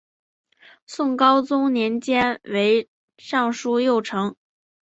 宋高宗年间为尚书右丞。